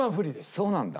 そうなんだ。